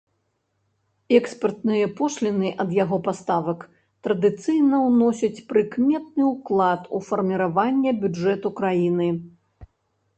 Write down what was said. Экспартныя пошліны ад яго паставак традыцыйна ўносяць прыкметны ўклад у фарміраванне бюджэту краіны.